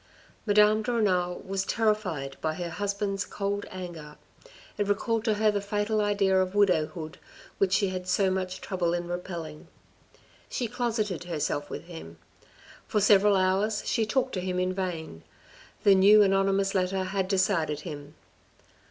Madame de Renal was terrified by her husband's cold anger. It recalled to her the fatal idea of widowhood which she had so much trouble in repelling. She closeted herself with him. For several hours she talked to him in vain. The new anony mous letter had decided him.